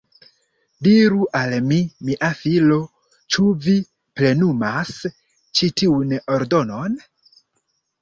Diru al mi, mia filo, ĉu vi plenumas ĉi tiun ordonon?